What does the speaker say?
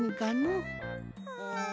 うん。